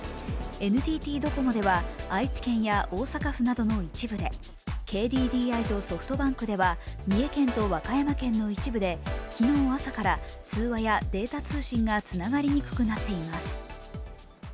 ＮＴＴドコモでは愛知県や大阪府などの一部でＫＤＤＩとソフトバンクでは三重県と和歌山県の一部で昨日朝から通話やデータ通信がつながりにくくなっています。